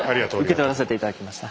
受け取らせて頂きました。